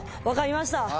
分かりました。